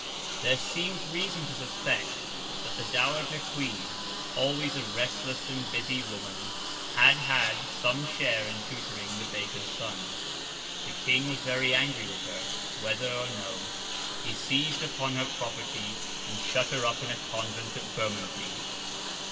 There seems reason to suspect that the Dowager Queen—always a restless and busy woman—had had some share in tutoring the baker's son. The King was very angry with her, whether or no. He seized upon her property, and shut her up in a convent at Bermondsey.